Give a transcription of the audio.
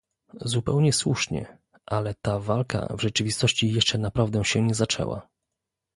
Zupełnie słusznie, ale ta walka w rzeczywistości jeszcze naprawdę się nie zaczęła